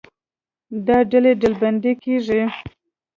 دا ډلې ډلبندي کېږي.